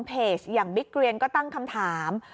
เพจอย่างบิ๊กเกรียนก็ตั้งคำถาม